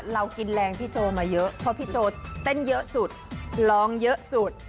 เพราะพี่โจ้เด้นเยอะสุดร้องเยอะสุด